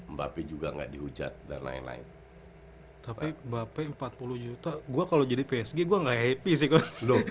mbappe juga nggak diujat dan lain lain tapi mbappe empat puluh juta gue kalau jadi psg gue enggak happy sih